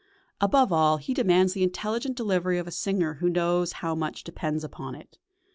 Above all, he demands the intelligent delivery of a singer who knows how much depends upon it.